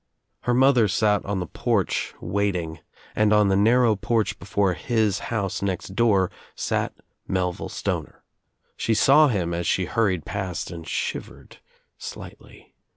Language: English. Her mother sat on the porch waiting and on the narrow porch before his house next door sat Melville Stoner. She saw him as she hurried past and shivered slightly.